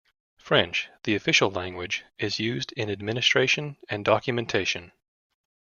French, the official language, is used in administration and documentation.